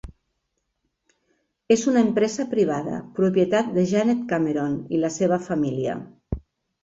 És una empresa privada, propietat de Janet Cameron i la seva família.